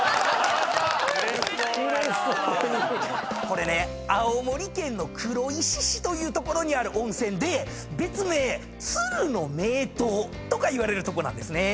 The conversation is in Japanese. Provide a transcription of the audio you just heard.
これね青森県の黒石市という所にある温泉で別名「鶴の名湯」とかいわれるとこなんですね。